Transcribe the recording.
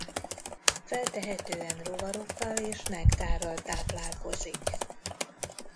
Feltehetően rovarokkal és nektárral táplálkozik.